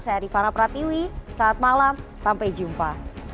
saya rifana pratiwi saat malam sampai jumpa